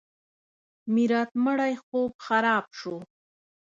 میرات مړی خوب خراب شو.